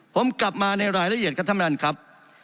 ผมกลับมาในรายละเอียดค่ะท่านมันครับ